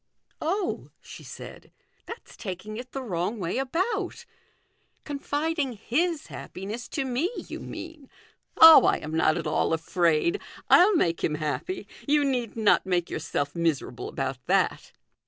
" Oh !" she said, " that's taking it the wrong way about confiding his happiness to me, you mean. Oh, I am not at all afraid ; I'll make him happy. You need not make yourself miserable about that."